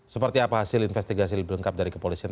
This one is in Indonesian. seperti apa hasil investigasi lebih lengkap dari kepolisian